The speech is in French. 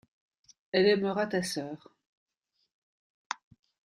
Elle aimera ta sœur.